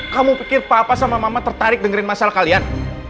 kamu pikir papa sama mama tertarik dengerin masalah kalian